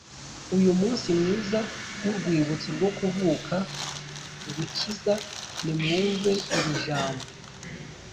Uyu munsi mwiza w’urwibutso rwo kuvuka gukiza, nimwumve irijambo